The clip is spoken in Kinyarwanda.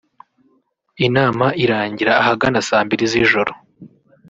Inama irangira ahagana saa mbiri z’ijoro